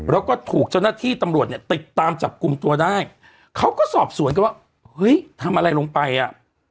แล้วก็ถูกเจ้าหน้าที่ตำรวจเนี่ยติดตามจับกลุ่มตัวได้เขาก็สอบสวนกันว่าเฮ้ยทำอะไรลงไปอ่ะ